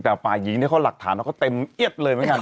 แต่ฝ่ายหญิงเนี่ยเขาหลักฐานเขาก็เต็มเอียดเลยเหมือนกัน